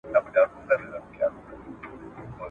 لا پر ونو باندي نه ووګرځېدلی `